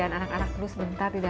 maaf abang mau ganggu ya